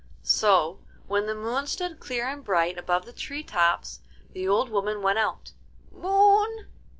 So when the Moon stood clear and bright above the tree tops the old woman went out. 'Moon!